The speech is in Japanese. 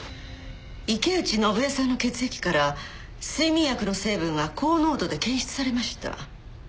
池内伸枝さんの血液から睡眠薬の成分が高濃度で検出されました。